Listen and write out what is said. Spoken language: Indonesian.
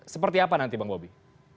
seperti apa nanti bang bobi